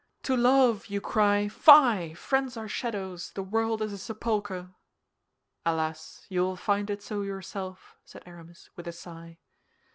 To love you cry, 'Fie! Friends are shadows! The world is a sepulcher!'" "Alas, you will find it so yourself," said Aramis, with a sigh.